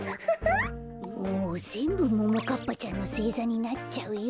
もうぜんぶももかっぱちゃんのせいざになっちゃうよ。